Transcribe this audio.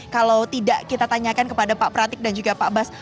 kalau tidak kita tanyakan kepada pak pratik dan juga pak bas